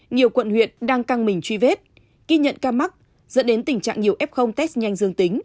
nhiều quận huyện đang căng mình truy vết ghi nhận ca mắc dẫn đến tình trạng nhiều f test nhanh dương tính